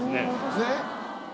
ねっ。